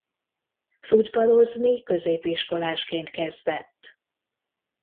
Futballozni középiskolásként kezdett.